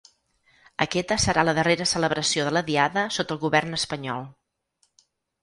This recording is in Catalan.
Aquesta serà la darrera celebració de la Diada sota el govern espanyol.